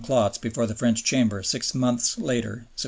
Klotz before the French Chamber six months later (Sept.